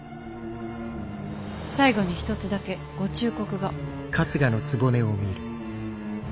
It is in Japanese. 最後に一つだけご忠告が。